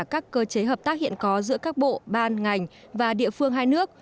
các cơ chế hợp tác hiện có giữa các bộ ban ngành và địa phương hai nước